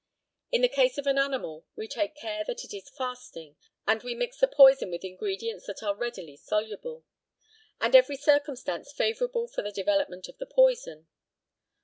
In the case of an animal we take care that it is fasting, and we mix the poison with ingredients that are readily soluble, and every circumstance favourable for the development of the poison.